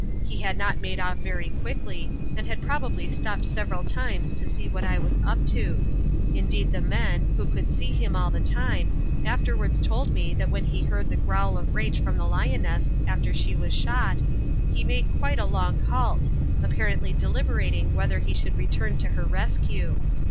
He had not made off very quickly, and had probably stopped several times to see what I was up to; indeed the men, who could see him all the time, afterwards told me that when he heard the growl of rage from the lioness after she was shot, he made quite a long halt, apparently deliberating whether he should return to her rescue.